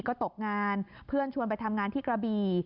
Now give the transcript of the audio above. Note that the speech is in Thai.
ก็ตกงานเพื่อนชวนไปทำงานที่กระบี่